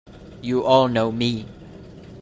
You all know me!